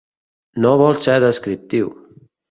No vol ser descriptiu.